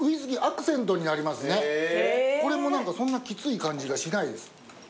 これも何かそんなきつい感じがしないです。